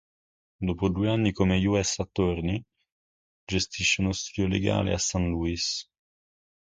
Dopo due anni come "U. S. Attorney" gestisce uno studio legale a St. Louis.